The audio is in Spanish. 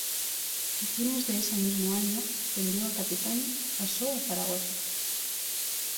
A fines de ese mismo año ascendió a capitán y pasó a Zaragoza.